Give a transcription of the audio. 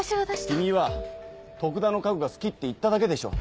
君は徳田の家具が好きって言っただけでしょ。